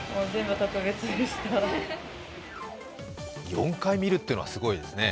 ４回見るっていうのはすごいですね。